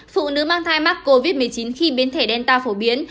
phụ nữ mang thai mắc covid một mươi chín khi biến thể đen tạo phổ biến